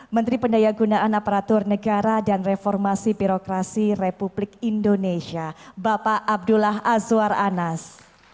menteri pendaya gunaan aparatur negara dan reformasi birokrasi republik indonesia bapak abdullah azwar anas